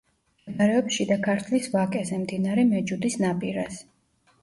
მდებარეობს შიდა ქართლის ვაკეზე, მდინარე მეჯუდის ნაპირას.